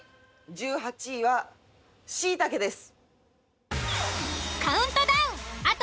１８位はしいたけです。